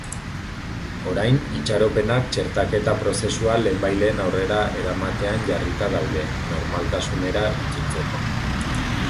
Orain itxaropenak txertaketa prozesua lehenbailehen aurrera eramatean jarrita daude, normaltasunera itzultzeko.